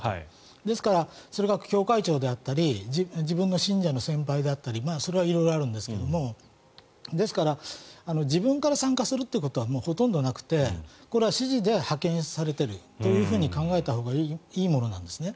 ですから、それが教会長であったり自分が信者の先輩であったりそれは色々あるんですがですから自分で参加することはもうほとんどなくてこれは指示で派遣されているというふうに考えたほうがいいものなんですね。